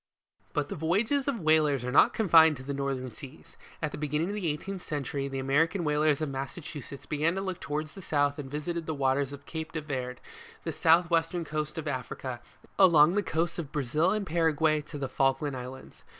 But the voyages of whalers are not confined to the northern seas. At the beginning of the eighteenth century, the American whalers of Massachusetts began to look towards the south and visited the waters of Cape de Verd, the south western coast of Africa, along the coasts of Brazil and Paraguay to the Falkland islands.